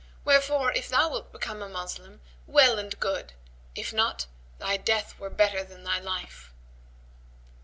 Wherefore, if thou wilt become a Moslem, well and good; if not, thy death were better than thy life."